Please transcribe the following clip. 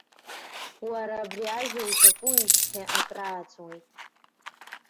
Уара абри ажәа уҿакуижьҭеи акрааҵуеит!